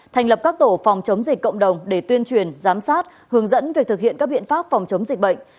thành lập các tổ phòng chống dịch cộng đồng để tuyên truyền giám sát hướng dẫn việc thực hiện các biện pháp phòng chống dịch bệnh